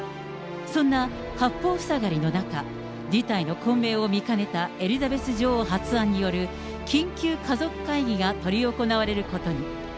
そんな八方塞がりの中、事態の混迷を見かねたエリザベス女王発案による緊急家族会議が執り行われることに。